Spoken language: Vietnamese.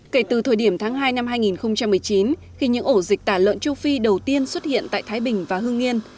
kể từ thời điểm tháng hai năm hai nghìn một mươi chín khi những ổ dịch tả lợn châu phi đầu tiên xuất hiện tại thái bình và hương nghiên